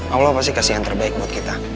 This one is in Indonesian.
allah pasti kasih yang terbaik buat kita